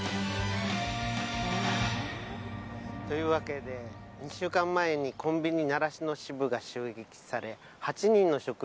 ええ？というわけで２週間前にコンビニ習志野支部が襲撃され８人の職員が殺されました。